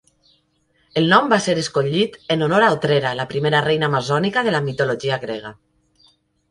El nom va ser escollit en honor a Otrera, la primera reina amazònica de la mitologia grega.